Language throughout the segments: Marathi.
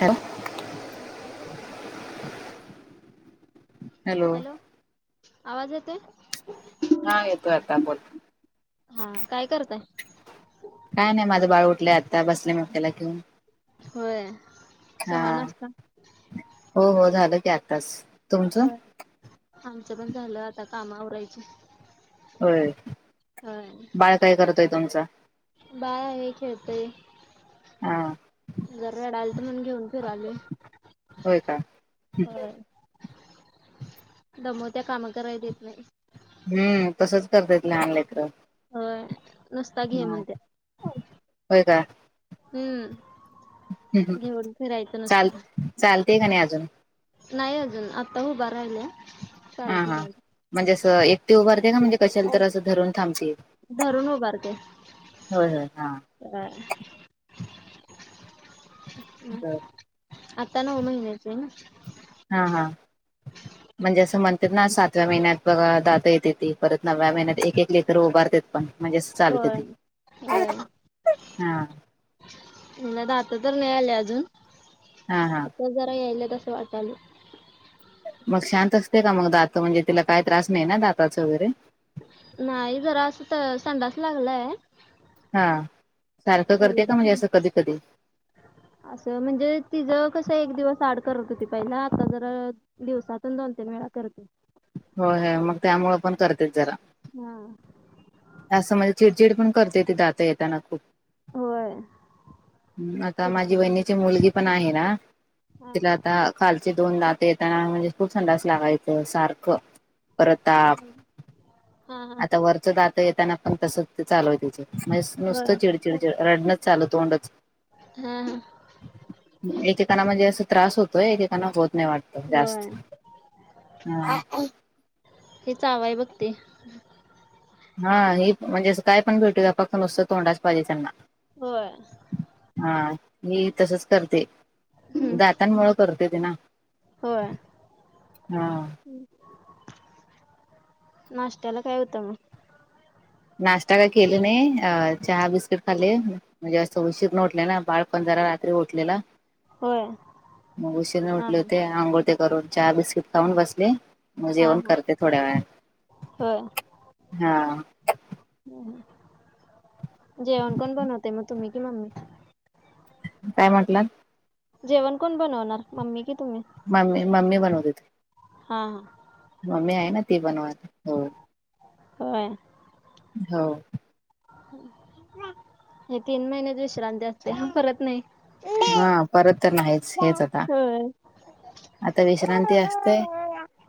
हॅ ह काय करतय? हॅलो आवाज येतोय? हा येतो आता बोल. हा काय करताय? काय नाही माझं बाळ उठलंय आता बसले मग त्याला घेऊन. होय. हा चहा, नाश्ता? हो हो झालं की आ तास. हो आमचं पण झालं आता काम आवररायच. होय बाळ काय करत आहे तुमचा? बाय आहे खेळतेय हा घरडाल तर म्हण घेऊन फिराले. होय का? होय दमवत्या कामा कराय देत नाही. हम्म तसंच करतेत लहान लेकर्. होय नुसता घे म्हनतया. होय का हम्म घेऊन फिरायचं नुसत. चाल चालतेय का नाही अजून? नाही अजून आत्ता उभा राहिल्या. हा चालत हा नाही अजून म्हणजे असं एकटी उभारते का? म्हणजे कशाल तर असं धरून थांबते? धरून उभारते. होय होय हा हा हम् बर. आता नऊ महिन्याचे आहे ना. हा हा ह [inaudible] म्हणजे असं म्हणतात ना सातव्या महिन्यात बघा दात येते ती, परत नवव्या महिन्यात एक एक लेकरू उभारते. पण म्हणजेच चालते होय त हा हिला दात तर नाही आले अजून हा हा आता जरा यायल तसं वाटाल. मग शांत असते का? मग दात म्हणजे तिला काय त्रास नाही ना दाताचं वगैरे? नाही जरा असं तर संडास लागलाय. हा सारखं करते एवढा का म्हणजे नाही. असं कधी कधी? असं म्हणजे तिझं कसं एक दिवस आड करत होती पहिला आता जर दिवसातून दोन तीन वेळा करते. हो ह मग त्यामुंळ पण करतेच जरा. हा असं म्हणजे चिडचिड पण करते ती दात येताना खूप होय. आता माझी किरकिरी वहिणीची मुलगी पण आहे ना हा तिला आता खालचे दोन दात येताना म्हणजे खूप संडास लागायचं सारखं परत ताप हा हा आता वरचं दात येताना पण तसच ते चालूय तिचं मयस नुसतं होय चिडचिडचड रडणच चालू तोंडच हा हा एकेकांना म्हणजे असं त्रास होतोय एकेकांना होत नाही वाट जास्त होय ह ते चावाय बघतय. हा हे म्हणजे असं काय पण भेटू दया फक्त नुसतं तोंडाच पाहिजे त्यांना होय हा मी तसच करते हम्म. जा तांमुळे करते ते ना होय. हा नाष्ट्याला काय होतं मग? नाष्टा काय केले नाही अ चहा बिस्किट खाल्ले. मी जास्त उशीरन उटले ना बाळपण जरा रात्री उठलेल होय मग उशीरान हा हा उठले होते आंघोळ ते करून चहा बिस्किट खाऊन बसले. म हा जेवण हा करते थोड्या होय वेळाने हा जेवण कोण बनवतय मग तुम्ही कि मम्मी काय म्हटलात जेवण कोण बनवणार मम्मी की तुम्ही मम्मी मम्मी बनवत हुती. हा हा मम्मी आहे ना ती बनवत हो होय. हो हे तीन महिनेच विश्रांती असत्या परत नाही. हा परत तर नाहीच हेच आता होय. आता विश्रांती असते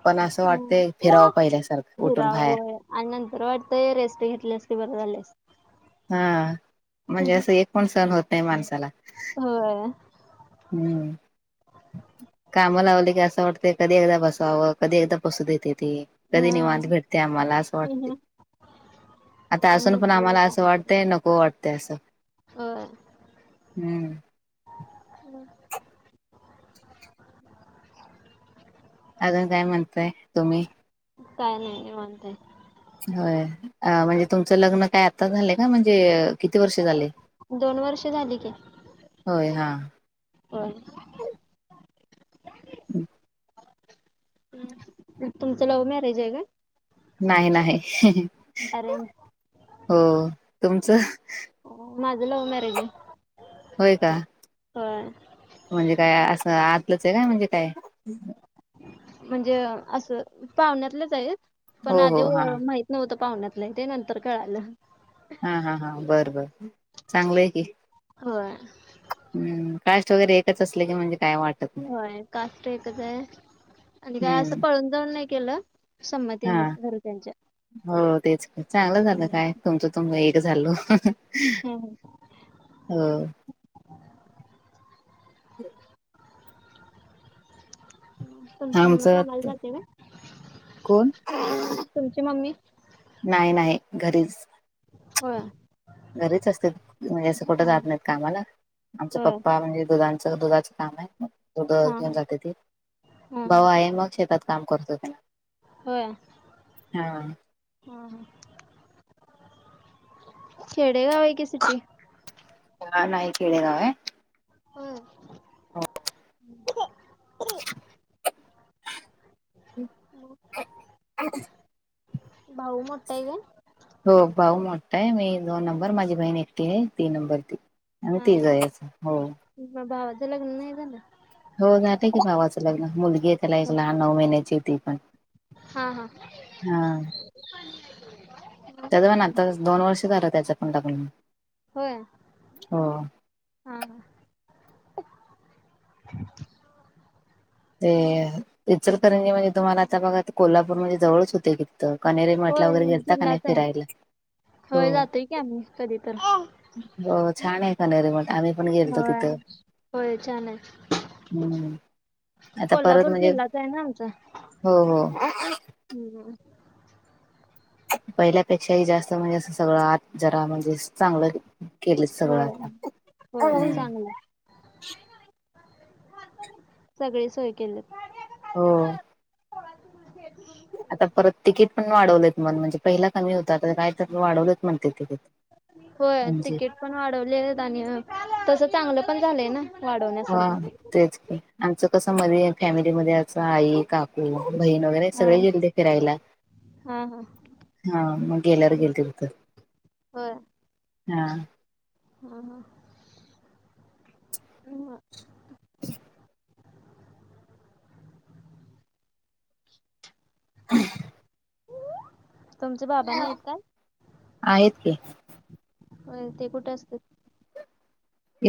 पण असं वाटतय फिरावं पाहिल्यासारखं उठून फिराव बाहेर होय आणि नंतर वाटतय रेस्ट घेतली असती बरं झालं असत. हा म्हणजे असं एक पण सहन होत नाई माणसाला होय हम्म काम लावली की असं वाटतं कधी एकदा बसावं कधी एकदा बसू देत्याती. कधी निवांत हा. भेटतय आम्हाला असं वाटतय आता आणि असून पण नसलेली आम्हाला असं काम करत वाटतय नक हो वाटतय असं होय हम्म [inaudible] अजून काय म्हणताय तुम्ही काय नाही निवांतय होय अ म्हणजे तुमचं लग्न काय आता झालंय का म्हणजे किती वर्ष झाले दोन वर्ष झाली की होय हा होय हंम हम् तुमचं लव्ह मॅरेज आहे काय? नाही नाही. अरेंज हो, तुमचं? माझं लव्ह मॅरेज आहे. होय का. होय. म्हणजे काय असं आतलंच आहे काय म्हणजे काय? म्हणजे असं पाहुण्यातलेच आहेत पण हो हो आधी हा माहि नव्हतं पाहुण्यात नाही ते नंतर कळालं. हा हा हा बरं बर चांगलंय की. होय. हम्म काष्ट वगैरे एकच असले की म्हणजे काय वाट होय काष्ट एकच आहे आणि काय असं हम्म पळून जाऊन नाही केलं. हा संमतीनेच घरच्यांच्या. हो तेच का चांगलं झालं काय तुमचं तुम एक झाल. हम्म. [unintelligible] [inaudible] तुमची मम्मी आमचं कामाला जाते ना? कोण तुमची मम्मी नाही नाही घरीच. होय घरीच असते म्हणजे असं कुठं हा जात नाहीत कामाला आमच होय पप्पा म्हणजे दुधांचं दुधाच काम आहेड हा घेऊन हा जाते ते हा भाऊ आहे मग शेतात काम करतो त्यांना होय. ह ह खेडे गाव आहय कि सिटी? ह नाही खेडेगाव आहे. हम्म. हम भाऊ मोठा हाय काय? हो भाऊ मोठा आहे मी दोन नंबर माझी बहीण एकटी आहे तीन नंबर ती. आणि ते जायचं हो. भावच लग्न नाही झालं? हो जे की बावाचं लग्न मुलगी आहे त्याला एक लहान नऊ महिन्याची ती पण. हा हा. हा त्याच पण आता दोन वर्ष झालं त्याच्या पण लग्न होऊन. होय. हा हा ते इचलकरंजी म्हणजे तुम्हाला आता बघा कोल्हापूर म्हणजे जवळच होतेय कि तर कनेरे होय मटला वगैरे घेलता की जिल्हाच नाही आहे फिरायला? हो होय जातोय की आम्ही कधी तर हो छान आहे कनेरी मठ आणि होय छान आहय. हम्म आता परत कोल्हापूर म्हणजे जिल्हाचा आहे ना आमचा हो हो हम्. पहिल्यापेक्षाही जास्त म्हणजे अस सगळं आत जरा म्हणजे चांगलं. केलं सगळं होय आता. सगळे सोय केलेत. हो. हो [unintelligible] आता परत तिकीट पण वाढवलेत मण म्हणजे पहिला कमी होता आता काय तर वाढवलेत म्हणते तिकीट. होय म्हणजे तिकीट पण वाढवले आहेत आणि तस चांगलं पण झालंय ना. हा वाढवण्यासारखं. तेच आमचं कसं मध्ये फॅमिलीमध्येध्ये असं आई काकू आस, बहीण वगैरे हा सगळे गेलते फिरायला. हा हा हा मग गेल्यावर गेलते तिथं. हो. हा हा हा ह. [inaudible] [inaudible] तुमचे बाबा नाही काय? आहेत की हो ते कुठे असतात.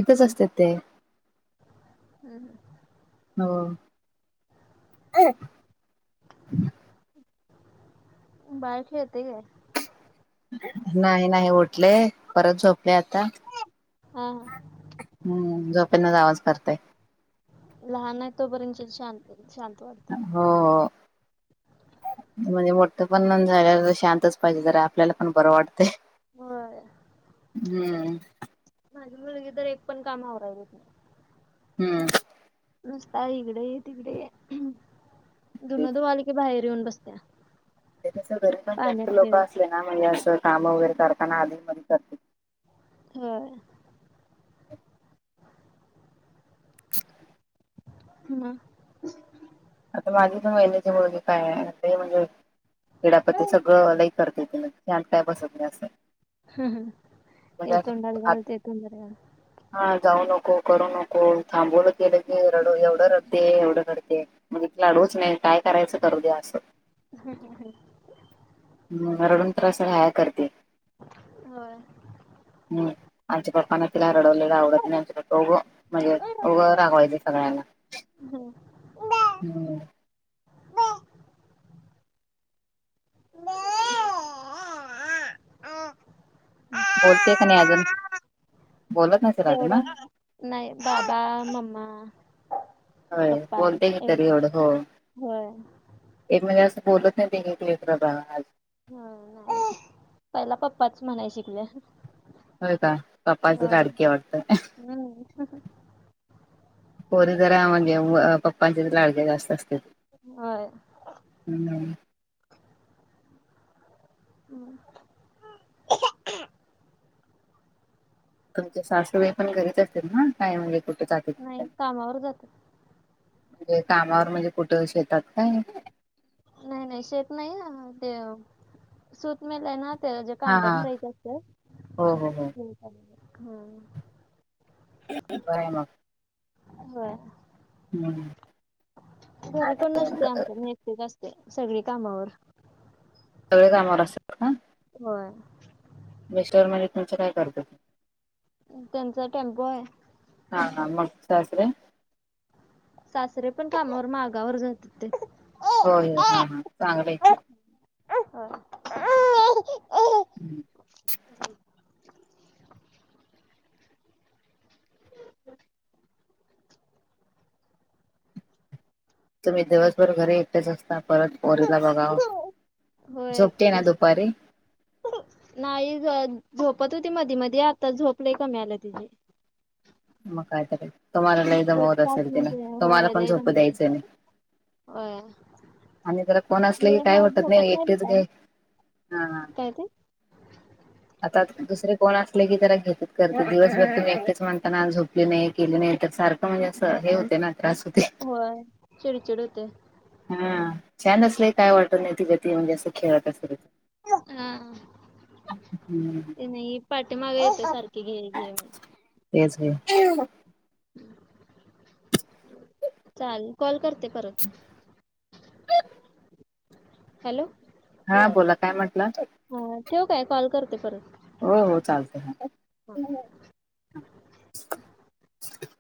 इथच असतात ते. हम्म हम्म. हो. बाळ खेळतय काय? नाही नाही उठले परत झोपले आता. हा. हम्म झोपेनाच आवाज करताय. लहान आहे तोपर्यंत शांत शांत वाढते. हो. म्हणजे मोठं पण झाल्या शांतच पाहिजे तर आपल्याला पण बरं वाटत. होय हम्म! माझी मुलगी तर एक पण काम आवराई बघत नाही. हम्म नसता इकडे तिकडे ते दुनदूवालिके बाहेर येऊन बसत. हा! ते पण कस घरी जास्त लोक असलेना म्हणजे काम वैगरे, करताना अधून करतो. ह [inaudible] [unintelligible] आता माझी तर महिलेची मुगी काय आहे ते म्हणजे [unintelligible] कडापत्ती सगळं लई करत त छान काय बसत नाही अ. सं ह हे तोंडात हात घाल ते तोंडात घाल. हा जाऊ नको करू नको थांबवलं गेलं की रड एवढं रडते एवढं घडते. म्हण इ त अडूच नये काय करायचं करू द्या असं. हम ह ह हम् रडून त्रास हा करते. होय. हम्म आज कळपना तिला रडवलेलं आवडतंतर ओगं म्हणजे ओगं रागवायच सगळ्यांना. हम्म. बोलते का नाही अजून बोलत नसेल अजून ह तेवढं नाही बाबा मम्मा ह पप्पा बोलते की तरी एवढंच एवढं हो होय. हे म्हणजे असं बोलत नाही दे लेकरंबाल आज. हा नाही पहिला पप्पाच म्हणाय शिकले. होय काय पप्पांची लाडकी आहे वाटतं हम्म हा हा! पोरी जरा म्हणजे पप्पांचे लाडक्या जास्त असते. ह. हम्म. हम्म. तुमच्या सासूबाई पण घरीच असतील ना काय म्हणजे कुठे नाही कामावर जाता. म्हणजे कामावर म्हणजे कुठं शेतात काय? नाही नाही शेत नाही ते सूत मेलय ना. ज्या हा कांड्या हा भरायच्या असता हो हो हो ह बाय मग. हो हम्म. घरी कोण नसते सगळे आमच्या असते सगळी कामावर. सगळे कामवर आसता. होय! मिस्टर म्हणे तुमचे काय करतात. त्यांचा टेम्पो आहे. हा हा मग सासरे सासरे पण कामावर मागावर जात होते. होय हा हा चांगलंय. अ हि चं तुम्ही दिवसभर घरी एकट्याचा असता परत पोरीला बघाव. होय झोपते एकटीच ना असते. दुपारी? नाही झोपत होती मधी मधी आता झोपले कमी आलं तिची. मग कायतरी तुम्हालाैदम एक होत तास असेल तिला म्हणजे तुम्हाला होय पण लय झोप दमवते. द्यायचं नाही होय आणि जरा कोण असलं की हे काय मला वाटत झोपत नाही एकटेच दुपारी. काय. काय तेय? आता दुसरे कोण असले की त्या घेतच करते दिवसभर त एकटेच म्हणताना झोपले नाही केले नाही तर सारख, म्हणजे असं हे होते ना त्रास होते. होय चिडचड होते हा छान असलय काय वाटत नाही ति गती म्हणजे असं खेळत असल त, हम्! हम्म ते नाही पाटेमागे येत सारखे घे घे मण. ऑडिओ उपलब्ध नाही चाल कॉल करते परत. ऑडिओ उपलब्ध नाही. हॅलो! हा बोला काय म्हटलात? हा ठेऊ काय. कॉल करते परत. हो हो चालते. हम!